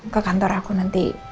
ke kantor aku nanti